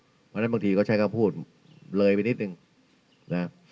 เพราะฉะนั้นบางทีก็ใช้คำพูดเลยไปนิดนึงนะ